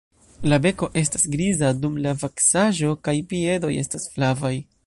La beko estas griza dum la vaksaĵo kaj piedoj estas flavaj.